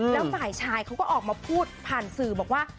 แล้วฝ่ายชายเขาก็ออกมาพูดผ่านสื่อบอกว่า